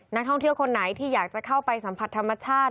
นักท่องเที่ยวคนไหนที่อยากจะเข้าไปสัมผัสธรรมชาติ